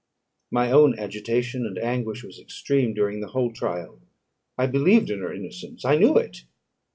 My own agitation and anguish was extreme during the whole trial. I believed in her innocence; I knew it.